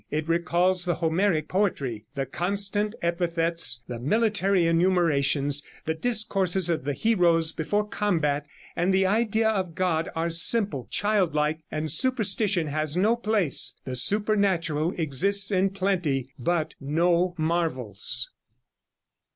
It recalls the Homeric poetry. The constant epithets, the military enumerations, the discourses of the heroes before combat, and the idea of God, are simple, childlike, and superstition has no place. The supernatural exists in plenty, but no marvels."